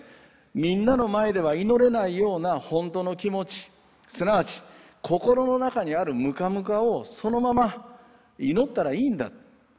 みんなの前では祈れないようなほんとの気持ちすなわち心の中にあるムカムカをそのまま祈ったらいいんだ。